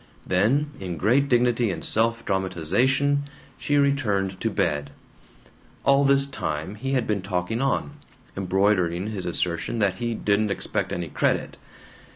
Then, in great dignity and self dramatization, she returned to bed. All this time he had been talking on, embroidering his assertion that he "didn't expect any credit."